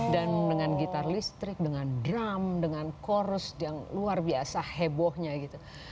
dan dengan gitar listrik dengan drum dengan chorus yang luar biasa hebohnya gitu